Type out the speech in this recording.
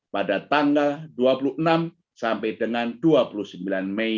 pada tanggal dua puluh enam sampai dengan dua puluh sembilan mei dua ribu dua puluh dua